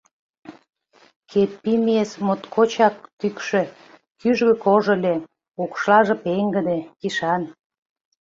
Кеппимиэс моткочак кӱкшӧ, кӱжгӧ кож ыле, укшлаже пеҥгыде, кишан.